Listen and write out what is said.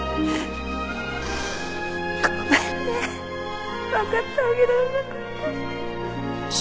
ごめんね分かってあげられなくって。